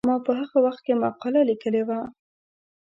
ما په هغه وخت کې مقاله لیکلې وه.